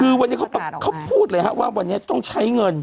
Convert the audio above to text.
คือวันนี้เขาพูดเลยฮะว่าวันนี้ต้องใช้เงิน